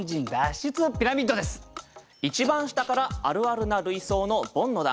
一番下からあるあるな類想のボンの段。